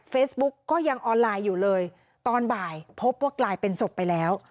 ก็ยังออนไลน์อยู่เลยตอนบ่ายพบว่ากลายเป็นศพไปแล้ว